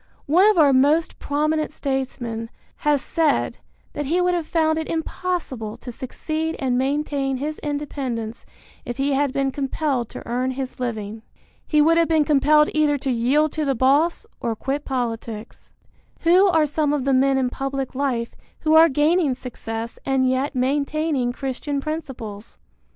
One of our most prominent statesmen has said that he would have found it impossible to succeed and maintain his independence if he had been compelled to earn his living. He would have been compelled either to yield to the boss or quit politics. Who are some of the men in public life who are gaining success and yet maintaining Christian principles?